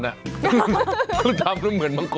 มันทำเหมือนบางกร